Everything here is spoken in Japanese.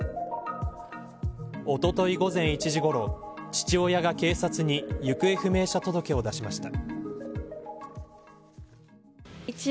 おととい午前１時ごろ父親が警察に行方不明者届を出しました。